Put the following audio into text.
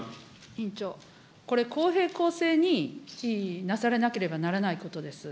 委員長、これ公正公平になされなければならないことです。